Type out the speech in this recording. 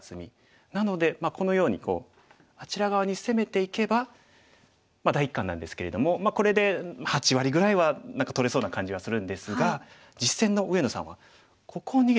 なのでこのようにあちら側に攻めていけば第一感なんですけれどもこれで８割ぐらいは何か取れそうな感じはするんですが実戦の上野さんはここを逃げていったんですね。